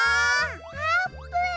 あーぷん！